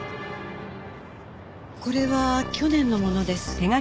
これは去年のものです。